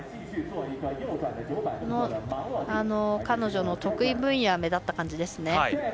彼女の得意分野が目立った感じですね。